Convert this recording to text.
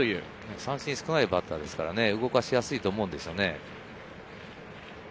三振少ないバッターですから動かしやすいと思うんですよね。